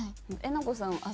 えなこさん